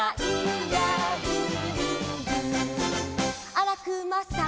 「あらくまさん」